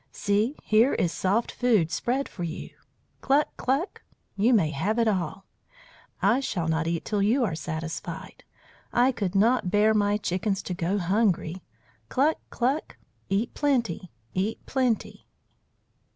"See here is soft food spread for you. Cluck! cluck! You may have it all. I shall not eat till you are satisfied. I could not bear my chickens to go hungry. Cluck! cluck! Eat plenty. Eat plenty."